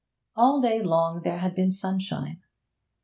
All day long there had been sunshine.